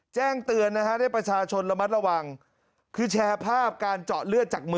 แจ้งเตือนนะฮะให้ประชาชนระมัดระวังคือแชร์ภาพการเจาะเลือดจากมือ